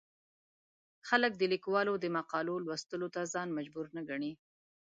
خلک د ليکوالو د مقالو لوستلو ته ځان مجبور نه ګڼي.